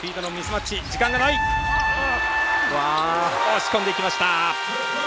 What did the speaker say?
押し込んでいきました。